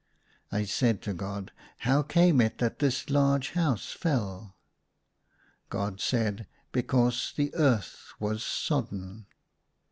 I said to God, " How came it that this large house fell ?" God said, " Because the earth was sodden."